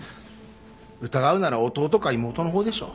疑うなら弟か妹のほうでしょ。